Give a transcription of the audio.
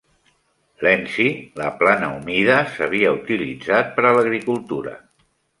Lenzie, la "plana humida" s'havia utilitzat per a l'agricultura.